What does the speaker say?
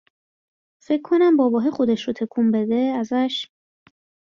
فکر کنم باباهه خودش رو تکون بده ازش